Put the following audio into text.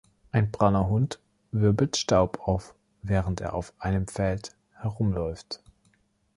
Ein brauner Hund wirbelt Staub auf, während er auf einem Feld herumläuft.